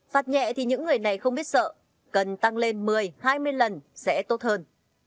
phạt nhẹ thì những người này không biết sợ cần tăng lên một mươi hai mươi lần sẽ tốt hơn